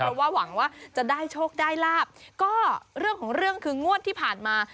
เพราะว่าหวังว่าจะได้โชคได้ลาบก็เรื่องของเรื่องคืองวดที่ผ่านมา